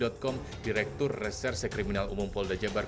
dikutip dari laman detik com direktur reserse kriminal umum polda jabar